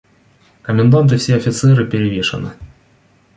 Комендант и все офицеры перевешаны.